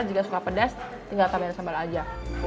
jika suka pedas tinggal tambahin sambal aja